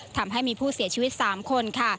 ทำให้มีผู้เสียชีวิต๓คนค่ะ